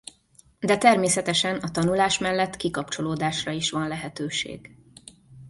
De természetesen a tanulás mellett kikapcsolódásra is van lehetőség.